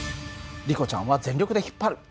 リコちゃんは全力で引っ張る。